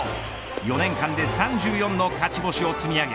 ４年間で３４の勝ち星を積み上げ